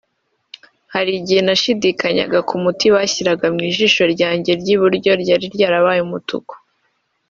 Hari igihe nashidikanyaga ku muti banshyiraga mu jisho ryanjye ry’iburyo ryari ryarabaye umutuku